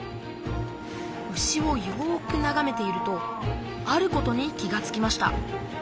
牛をよくながめているとあることに気がつきました